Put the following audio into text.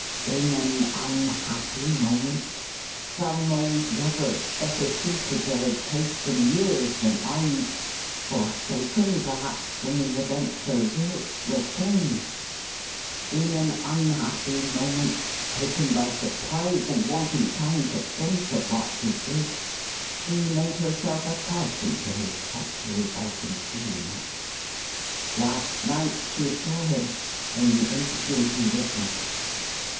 In an unhappy moment some old lover, better suited to her tastes and years than I; forsaken, perhaps, for me, against her will; returned. In an unhappy moment: taken by surprise, and wanting time to think of what she did: she made herself a party to his treachery, by concealing it. Last night she saw him, in the interview we witnessed.